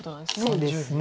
そうですね。